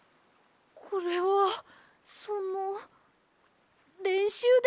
これはそのれんしゅうです。